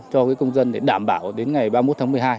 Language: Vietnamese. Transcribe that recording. cho công dân để đảm bảo đến ngày ba mươi một tháng một mươi hai